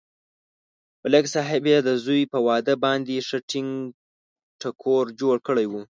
ملک صاحب یې د زوی په واده باندې ښه ټنگ ټکور جوړ کړی و.